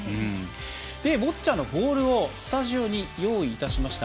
ボッチャのボールをスタジオに用意いたしました。